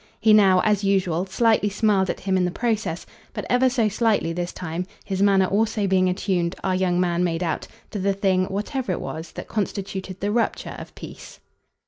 He now, as usual, slightly smiled at him in the process but ever so slightly this time, his manner also being attuned, our young man made out, to the thing, whatever it was, that constituted the rupture of peace.